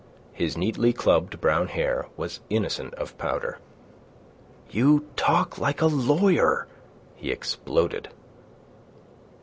His neatly clubbed brown hair was innocent of powder. "You talk like a lawyer," he exploded.